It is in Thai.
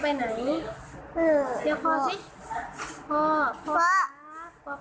อยู่หน้านี้ไหนดูไหนดูโอ้